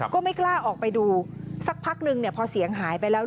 ก็ไม่กล้าออกไปดูสักพักนึงเนี่ยพอเสียงหายไปแล้ว